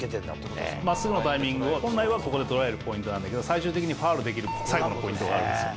まっすぐのタイミングを、本来はそこで捉えるポイントなんだけど、最終的にファウルできる最後のポイントがあるんですよ。